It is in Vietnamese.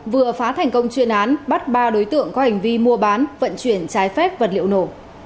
vừa phá thành công chuyên án bắt ba đối tượng có hành vi mua bán vận chuyển trái phép vật liệu nổ